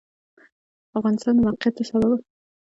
د افغانستان د موقعیت د افغانستان د ښاري پراختیا سبب کېږي.